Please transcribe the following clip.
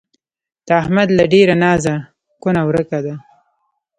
د احمد له ډېره نازه کونه ورکه ده.